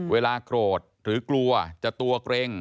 เวลาโกรธหรือกลัวจะตัวเกร็ง